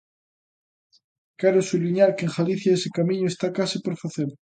Quero subliñar que en Galicia ese camiño está case por facer.